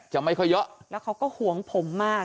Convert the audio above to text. ไม่ค่อยเยอะแล้วเขาก็ห่วงผมมาก